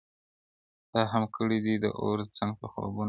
تا هم کړي دي د اور څنګ ته خوبونه؟ -